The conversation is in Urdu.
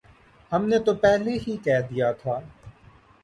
ہم نے تو پہلے ہی کہہ دیا تھا۔